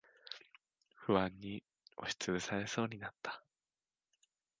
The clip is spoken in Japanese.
不安に押しつぶされそうになった。